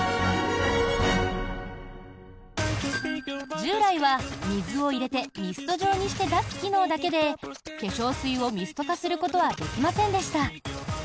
従来は水を入れてミスト状にして出す機能だけで化粧水をミスト化することはできませんでした。